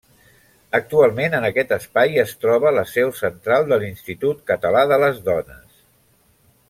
Actualment en aquest espai es troba la seu central de l'Institut Català de les Dones.